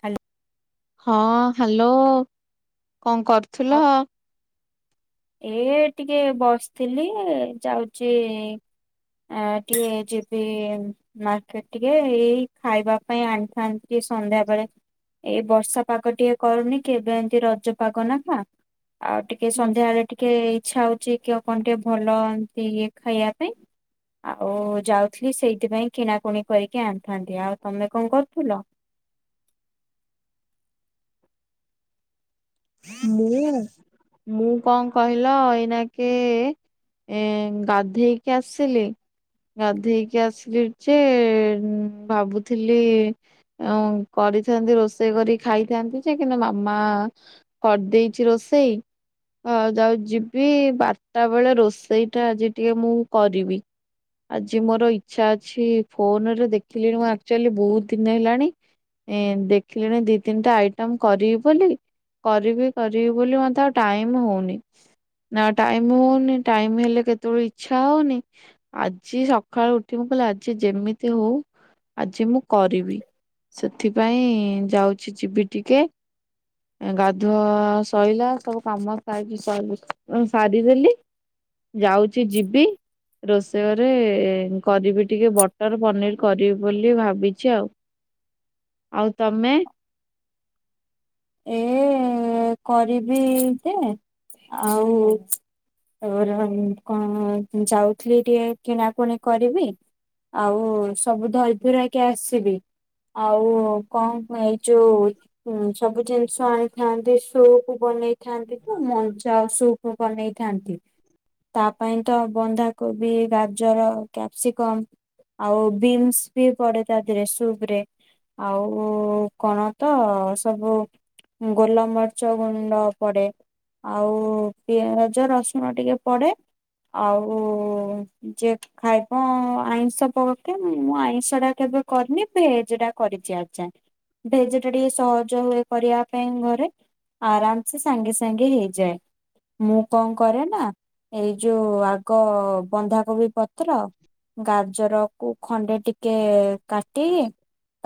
Hello. ହଁ hello କଣ କରୁଥିଲ? ଆଉ ଏ ଟିକେ ବସିଥିଲି ଯାଉଚି ଆ ଟିକେ ଯିବି। ମାର୍କେଟ ଟିକେ ଏଇ ଖାଇବା ପାଇଁ ଆଣିଥାନ୍ତି ଟିକେ ସନ୍ଧ୍ୟା ବେଳେ। ଏଇ ବର୍ଷା ପାଗ ଟିକେ କରୁନି କେବେ ଏମିତି ରଜ ପାଗ ନା କଣ ଆଉ ଟିକେ ଏଇ ମ୍ ସନ୍ଧ୍ୟା ବଳେ ଟିକେ ଇଛା ହଉଛି କିଅ କଣ ଟିକେ ଭଲ ଏମିତି ଇଏ ଖାଇବା ପାଇଁ। ଆଉ ଯାଉଥିଲି ସେଇଥିପାଇଁ କିଣାକୁଣି କରିକି ଆଣିଥାନ୍ତି। ଆଉ ତମେ କଣ କରୁଥିଲ? ମୁଁ ମୁଁ କଣ କହିଲ ଏଇନା କେ ଏ ଗାଧେଇକି ଆସିଲି। ଗାଧେଇକି ଆସିଲି ଯେ ଭାବୁଥିଲି ଆଉ କରିଥାନ୍ତି ରୋଷେଇ କରି ଖାଇଥାନ୍ତି ଯେ କିନ୍ତୁ ମାମା କରିଦେଇଛି ରୋଷେଇ। ଅ ଯାଉଚି ଯିବି ବାରଟା ବେଳେ ରୋଷେଇ ଟା ଆଜି ଟିକେ ମୁଁ କରିବି। ଆଜି ମୋର ଇଚ୍ଛା ଅଛି ଫୋନରେ ଦେଖିଲିଣି ମୁଁ ଆକ୍ଚୁଆଲି ବହୁତ ଦିନି ହେଲାଣି ଇଁ ଦେଖିଲିଣି ଦି ତିନିଟା ଆଇଟମ୍ କରିବି ବୋଲି କରିବି କରିବି ବୋଲି ମତେ ଆଉ ଟାଇମ୍ ହଉନି। ନାଁ ଟାଇମ ହଉନି, ଟାଇମ ହେଲେ କେତେବେଳେ ଇଚ୍ଛା ହଉନି। ଆଜି ସକାଳୁ ଉଠି ମୁଁ କହିଲି, ଆଜି ଯେମିତି ହଉ ଆଜି ମୁଁ କରିବି। ସେଥିପାଇଁ ଯାଉଛି ଯିବି ଟିକେ ଗାଧୁଆ ସଇଲା ସବୁ କାମ ଖାଇ ପିଇ ସରି ସାରିଦେଲି। ଯାଉଛି ଯିବି ରୋଷେଇ ଘରେ କରିବି, ଟିକେ ବଟର ପନିର କରିବି ବୋଲି ଭାବିଛି ଆଉ। ଆଉ ତମେ? ଏ କରିବି ଯେ, ଆଉ ହଉ ର କଣ ଯାଉଥିଲି ଟିକେ କିଣାକୁଣି କରିବି। ଆଉ, ସବୁ ଧରିଧୁରା କି ଆସିବି। ଆଉ କଣ ଏଇ ଯୋଉ ସବୁ ଜିନିଷ ଆଣିଥାନ୍ତି ସୁପ ବନେଇଥାନ୍ତି କୁ ମଞ୍ଜା ସୁପ ବନେଇଥାନ୍ତି। ତା ପାଇଁ ତ ବନ୍ଧାକୋବି, ଗାଜର, କ୍ୟାପସିକମ୍। ଆଉ ବିନ୍ସ ବି ପଡେ ତା ଦେହରେ, ସୁପ ରେ। ଆଉ କଣ ତ ସବୁ ଗୋଲମରିଚ ଗୁଣ୍ଡ ପଡେ। ଆଉ ପିଆଜ, ରସୁଣ ଟିକେ ପଡେ। ଆଉ ଯେ ଖାଇବ ଆଇଁଷ ପକେ ମୁଁ ଆଇଁଷ ଟା କେବେ କରିନି, ଭେଜଟା କରିଛି ଆଛା। ଭେଜ ଟା ଟିକିଏ ସହ ଜ ହୁଏ କରିବା ପାଇଁ ଘରେ। ଆରାମ ସେ ସାଙ୍ଗେ ସାଙ୍ଗେ ହେଇଯାଏ। ମୁଁ କଣ କରେ ନା, ଏଇ ଯୋଉ ଆଗ ବନ୍ଧାକୋବି ପତ୍ର ଗାଜରକୁୁ ଖଣ୍ଡେ ଟିକେ କାଟିକି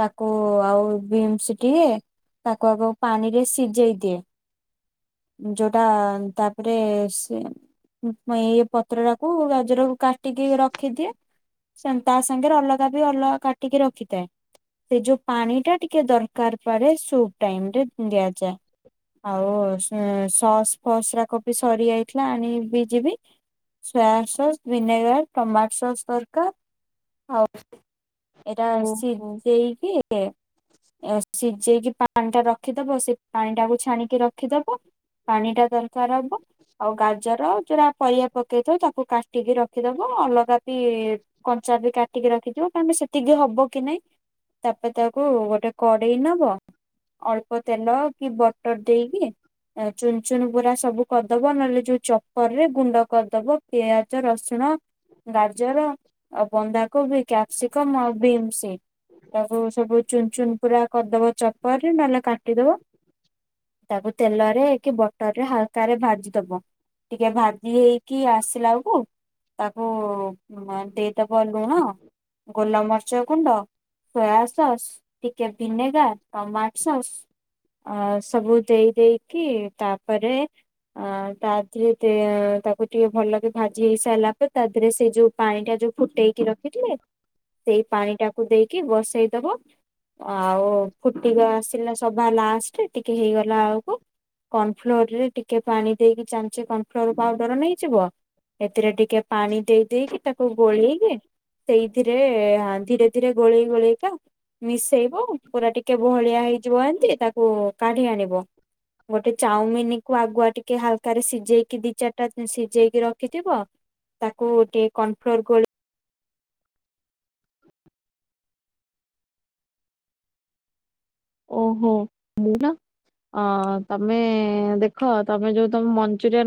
ତାକୁ ଆଉ ବିନ୍ସ ଟିକେ ତାକୁ ଆଗ ପାଣିରେ ସିଝେଇ ଦିଏ। ଯୋଉଟା ତାପରେ ସେ ଏଇ ପତ୍ର ଟାକୁ ଗାଜରକୁ କାଟିକି ରଖିଦିଏ। ତା, ସାଙ୍ଗରେ ଅଲଗା ବି ଅଲଗା କାଟିକି ରଖିଥାଏ। ସେ ଯୋଉ ପାଣି ଟା ଟିକେ ଦରକାର, ପରେ ସୁପ ଟାଇମ ରେ ଦିଆଯାଏ। ଆଉ ସ ସସ ଫସ ରାକ ବି ସରିଯାଇଥିଲା ଆଣିବି ଯିବି। Soya sauce, vinegar, tomato sauce ଦରକାର ଆଉ ଏଟା ଓହୋ ସିଜେଇକି ଦେ ସିଜେଇକି ପାଣିଟା ରଖିଦବ, ସେ ପାଣି ଟାକୁ ଛାଣିକି ରଖିଦବ ପାଣିଟା ଦରକାର ହବ। ଆଉ ଗାଜର ଯୋଉରା ପରିବା ପକେଇଥବ ତାକୁ କାଟିକି ରଖିଦବ ଅଲଗା ବି କଞ୍ଚା ବି କାଟିକି ରଖିଥିବ। କାରଣ ସେତିକି ହବ କି ନାଇଁ। ତାପରେ, ତାକୁ ଗୋଟେ କଡେଇ ନବ। ଅଳ୍ପ ତେଲ କି ବଟର ଦେଇକି ଆ ଚୁନଚୁନ ପୁରା ସବୁ କରିଦବ ନହେଲେ ଯୋଉ ଚପର ରେ ଗୁଣ୍ଡ କରିଦବ। ପିଆଜ ରସୁଣ ଗାଜର ଆଉ ବନ୍ଧା କୋବି, କ୍ୟାପ୍ସିକମ୍ ଆଉ ବିନ୍ସ ତାକୁ ସବୁ ଚୁନଚୁନ ପୁରା କରିଦବ ଚ କରି ନହେଲେ କାଟିଦବ। ତାକୁ, ତେଲରେ କି ବଟରରେ ହାଲକାରେ ଭାଜି ଦବ। ଟିକେ ଭାଜି ହେଇକି ଆସିଲାକୁ ତାକୁ ଦେଇଦବ ଲୁଣ। ଗୋଲମରିଚ ଗୁଣ୍ଡ, ସୋୟା ସସ୍ ଟିକେ ଭିନେଗାର ଟମାଟ ସସ ଅ ସବୁ ଦେଇ ଦେଇକି, ତାପରେ ଆ ତା ଦେହରେ ତେ ତାକୁ ଟିକେ ଭଲକି ଭାଜି ହେଇ ସାରିଲା ପରେ ତା, ଦେହରେ ସେ ଯୋଉ ପାଣି ଟା ଯୋଉ ଫୁଟେଇକି ରଖିଥିଲେ, ସେଇ ପାଣିଟା କୁ ଦେଇକି ବସେଇ ଦବ। ଆଉ ଫୁଟିକ ଆସିଲା ସଭା ଲାଷ୍ଟ ଟିକେ ହେଇଗଲା ଆଳକୁ କର୍ଣ ଫ୍ଲୋର ରେ ଟିକେ ପାଣି ଦେଇକି, ଚାମୋଚେ କର୍ନଫ୍ଲୋର ପାଉଡର ନେଇଯିବ। ଏଥିରେ ଟିକେ ପାଣି ଦେଇ ଦେଇକି ତାକୁ ଗୋଳେଇକି ସେଇଥିରେ ଧୀରେ ଧୀରେ ଗୋଳେଇ ଗୋଳେଇକା ମିଶେଇବ। ପୁରା ଟିକେ କେବ ଭଳିଆ ହେଇଯିବ ଏମିତି ତାକୁ କାଢି ଆଣିବ। ଗୋଟେ ଚାଉମିନ କୁୁ ଆଗୁଆ ଟିକେ ହାଲକା ରେ ସିଝେଇକି ଦି ଚାରିଟା ସିଝେଇକି ରଖିଥିବ। ତାକୁ ଟିକେ କର୍ଣଫ୍ଲୋର ଗୋ ଓହୋ ମୁଁ ନା ଅଁ ତମେ ଦେଖ ତମେ ଯୋଉ ତମ ମଞ୍ଚୁରିଆ